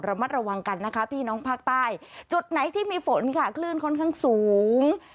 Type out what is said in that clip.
มัดระวังกันนะคะพี่น้องภาคใต้จุดไหนที่มีฝนค่ะคลื่นค่อนข้างสูง